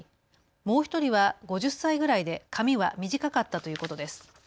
もう１人は５０歳くらいで髪は短かったということです。